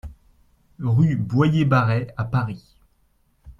Rue Boyer-Barret à Paris